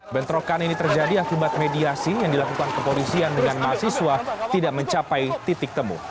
bentrokan ini terjadi akibat mediasi yang dilakukan kepolisian dengan mahasiswa tidak mencapai titik temu